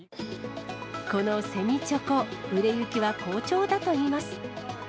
このセミチョコ、売れ行きは好調だといいます。